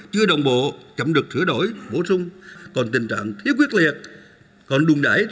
chưa đồng bộ chậm được sửa đổi bổ sung còn tình trạng thiếu quyết liệt còn đùn đẩy